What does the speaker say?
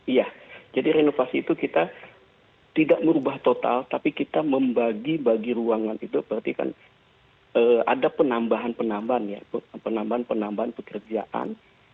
iya jadi renovasi itu kita tidak merubah total tapi kita membagi bagi ruangan itu berarti kan ada penambahan penambahan ya penambahan penambahan pekerjaan